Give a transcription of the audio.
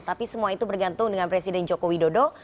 tapi semua itu bergantung dengan presiden joko widodo